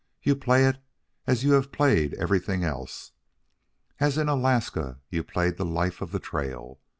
You play it as you have played everything else, as in Alaska you played the life of the trail.